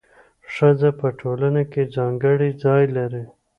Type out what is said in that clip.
ښځه په ټولنه کي ځانګړی ځای لري.